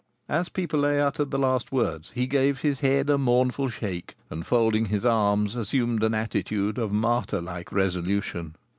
'" As Pipelet uttered the last words he gave his head a mournful shake, and, folding his arms, assumed an attitude of martyrlike resolution.